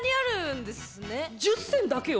１０選だけよ